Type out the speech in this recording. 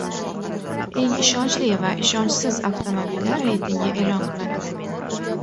Eng ishonchli va ishonchsiz avtomobillar reytingi e’lon qilindi